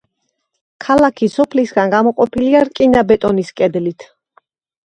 ქალაქი სოფლისაგან გამოყოფილია რკინა-ბეტონის კედლით.